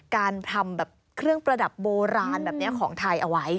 การทำแบบเครื่องประดับโบราณแบบนี้ของไทยเอาไว้